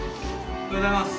おはようございます。